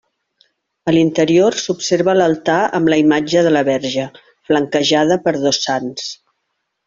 A l'interior s'observa l'altar amb la imatge de la Verge, flanquejada per dos Sants.